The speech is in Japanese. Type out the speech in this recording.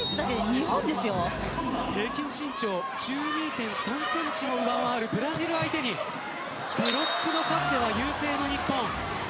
平均身長１２．３センチも上回るブラジル相手にブロックの数で優勢な日本。